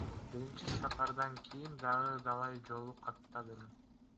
Биринчи сапардан кийин дагы далай жолу каттадым.